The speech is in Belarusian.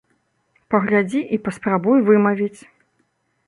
Паглядзі і паспрабуй вымавіць!